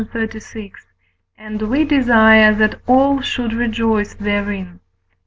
xxxvi.), and we desire that all should rejoice therein (IV.